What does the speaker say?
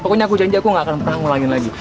pokoknya aku janji aku gak akan pernah ngulangin lagi